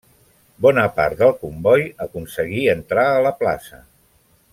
Bona part del comboi aconseguir entrar a la plaça.